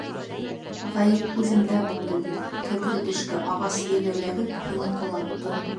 — Ғәйеп үҙемдә булды бит, кәкре тешкә ағас ебе эләгеп, һине ҡолаттым...